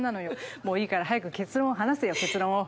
もういいから早く結論を話せよ結論を。